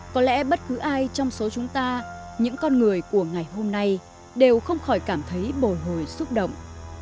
có lẽ bất cứ ai trong số chúng ta những con người của ngày hôm nay đều không khỏi cảm thấy bồi hồi xúc động